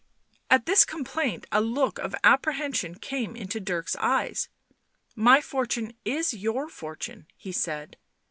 At this complaint a look of apprehension came into Dirk's eyes. " My fortune is your fortune," he said.